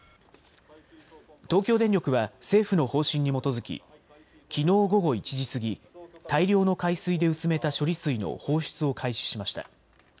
東京電力は政府の方針に基づききのう午後１時過ぎ、大量の海水で薄めた処理水の放出を開始しました。